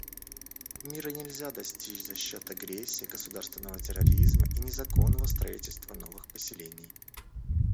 Мира нельзя достичь за счет агрессии, государственного терроризма и незаконного строительства новых поселений.